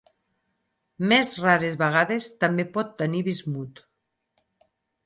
Més rares vegades també pot tenir bismut.